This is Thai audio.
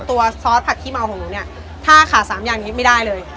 ซอสผักขี้เมาของหนูเนี่ยถ้าขาดสามอย่างนี้ไม่ได้เลย